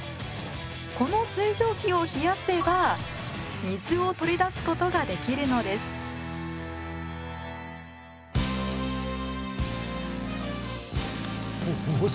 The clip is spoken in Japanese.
この水蒸気を冷やせば水を取り出すことができるのですおおい